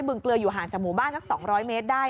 เบื้งเกลืออยู่ห่างจากหมู่บ้าน๒๐๐เมตรได้